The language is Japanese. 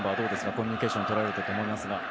コミュニケーションとられたと思いますが。